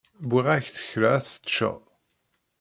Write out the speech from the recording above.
Wwiɣ-ak-d kra ad t-teččeḍ.